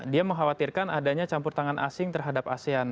dia mengkhawatirkan adanya campur tangan asing terhadap asean